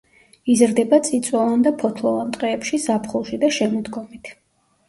იზრდება წიწვოვან და ფოთლოვან ტყეებში ზაფხულში და შემოდგომით.